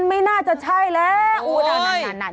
ไม่น่าจะใช่แล้ว